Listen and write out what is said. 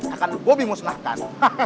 akan bopi musnahkan